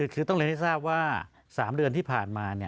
คือต้องเรียนให้ทราบว่า๓เดือนที่ผ่านมา